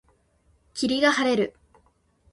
霧が晴れる。